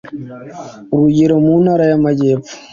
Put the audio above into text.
urugero mu ntara y amajyepfo